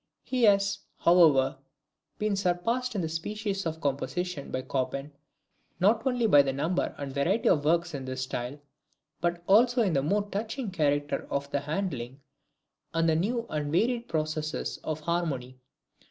He has, however, been surpassed in this species of composition by Chopin, not only in the number and variety of works in this style, but also in the more touching character of the handling, and the new and varied processes of harmony.